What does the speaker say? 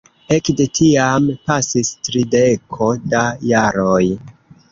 Ekde tiam pasis trideko da jaroj.